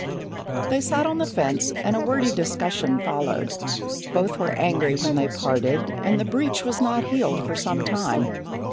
They sat on the fence and a wordy discussion followed. Both were angry when they parted, and the breach was not healed for some time.